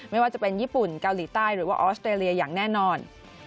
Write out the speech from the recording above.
ไม่ว่าจะเป็นญี่ปุ่นเกาหลีใต้หรือว่าออสเตรเลียอย่างแน่นอน